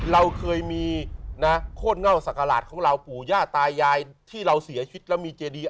เราเคยมีโคตรเงาสักขลาดของเราปู่ญาติยายยายที่เราเสียชิด